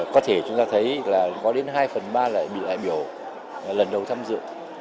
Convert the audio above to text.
có thể chúng ta thấy là có đến hai phần ba lại bị đại biểu lần đầu tham dự